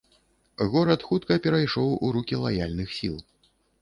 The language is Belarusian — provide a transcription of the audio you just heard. Горад хутка перайшоў у рукі лаяльных сіл.